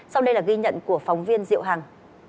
sau đây là ghi nhận của phóng viên diệu hằng